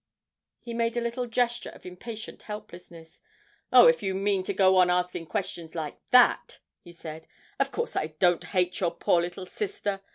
He made a little gesture of impatient helplessness. 'Oh, if you mean to go on asking questions like that ' he said, 'of course I don't hate your poor little sister.